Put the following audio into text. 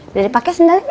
udah dipake sendalanya